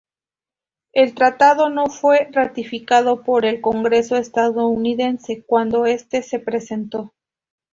El tratado no fue ratificado por el Congreso estadounidense cuando este se presentó.